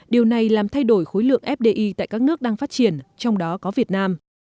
điều này làm thay đổi khối lượng fdi tại các nước đang phát triển trong đó có việt nam